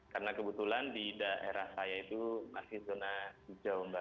karena kebetulan di daerah saya itu masih zona jomba